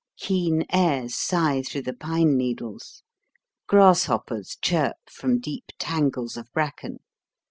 Keen airs sigh through the pine needles. Grasshoppers chirp from deep tangles of bracken.